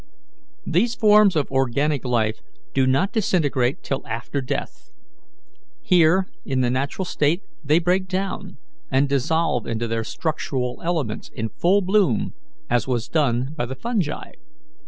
"These forms of organic life do not disintegrate till after death; here in the natural state they break down and dissolve into their structural elements in full bloom, as was done by the fungi.